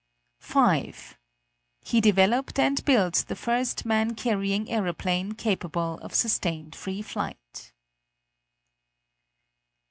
5. He developed and built the first man carrying aeroplane capable of sustained free flight.